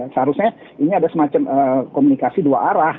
seharusnya ini ada semacam komunikasi dua arah